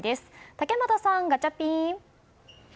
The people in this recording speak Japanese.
竹俣さん、ガチャピン！